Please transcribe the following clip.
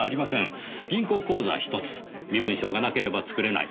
銀行口座１つ身分証がなければ作れない。